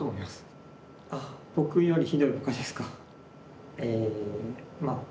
あっ僕よりひどいポカですか。